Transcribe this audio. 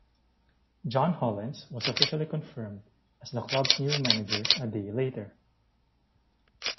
John Hollins was officially confirmed as the club's new manager a day later.